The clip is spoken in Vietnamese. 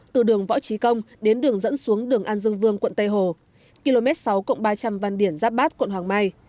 từ đường võ trí công đến đường dẫn xuống đường an dương vương quận tây hồ km sáu ba trăm linh văn điển giáp bát quận hoàng mai